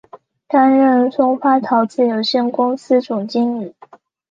担任松发陶瓷有限公司总经理。